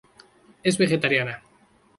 Es vegetariana.